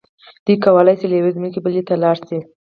دوی کولی شول له یوې ځمکې بلې ته لاړ شي.